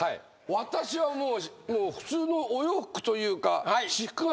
私はもう普通のお洋服というかまあ